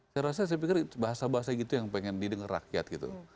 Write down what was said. saya rasa saya pikir bahasa bahasa gitu yang pengen didengar rakyat gitu